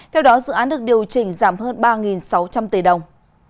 theo đó dự án được điều chỉnh giảm hơn ba sáu trăm linh tỷ đồng